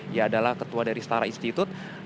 dia adalah ketua dari starra institute